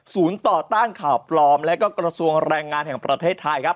ต่อต้านข่าวปลอมและก็กระทรวงแรงงานแห่งประเทศไทยครับ